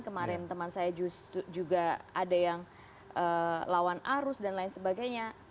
kemarin teman saya juga ada yang lawan arus dan lain sebagainya